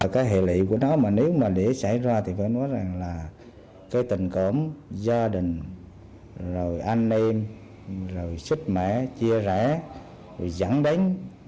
cái hệ lị của nó mà nếu mà để xảy ra thì phải nói rằng là cái tình cổng gia đình rồi anh em rồi sức khỏe chia rẽ rồi dẫn đến